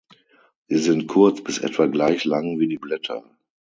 Sie sind kurz bis etwa gleich lang wie die Blätter.